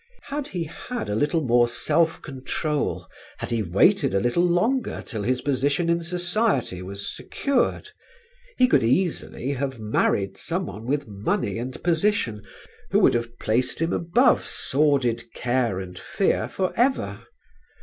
Had he had a little more self control, had he waited a little longer till his position in society was secured, he could easily have married someone with money and position who would have placed him above sordid care and fear for ever.